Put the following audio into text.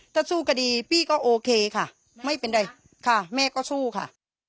ถ้าสู้คดีพี่ก็โอเคค่ะไม่เป็นไรค่ะแม่ก็สู้ค่ะ